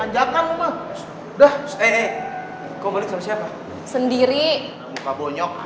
jadi gue ikutan juga